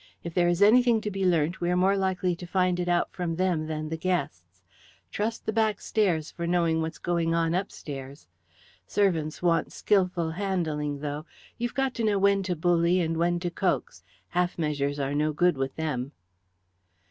"If there is anything to be learnt we are more likely to find it out from them than the guests. Trust the backstairs for knowing what's going on upstairs! Servants want skilful handling, though. You've got to know when to bully and when to coax. Half measures are no good with them."